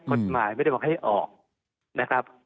กฎหมายไม่ได้บอกให้ออกนะครับ